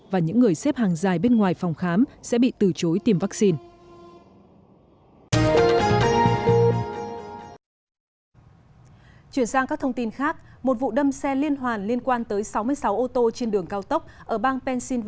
và những người xếp hàng dài bên ngoài phòng khám sẽ bị từ chối tiêm vaccine